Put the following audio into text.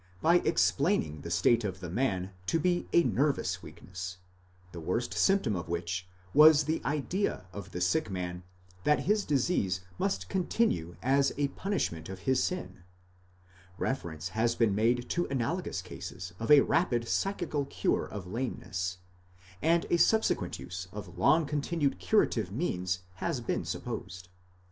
457 by explaining the state of the man to be a nervous weakness, the worst symptom of which was the idea of the sick man that his disease must continue as a punishment of his sin ; 16 reference has been made to analogous cases of a rapid psychical cure of lameness ; 1° and a subsequent use of long continued curative means has been supposed.?